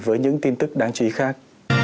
với những tin tức đáng chú ý khác